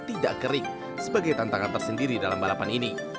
tidak kering sebagai tantangan tersendiri dalam balapan ini